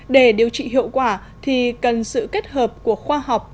để điều trị hiệu quả thì cần sự kết hợp của khoa học